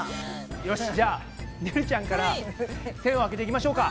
よしじゃあねるちゃんからせんを開けていきましょうか！